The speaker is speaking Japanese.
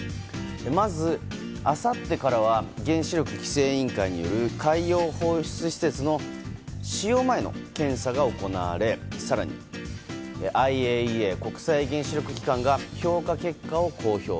まず、あさってからは原子力規制委員会による海洋放出施設の使用前の検査が行われ更にＩＡＥＡ・国際原子力機関が評価結果を公表。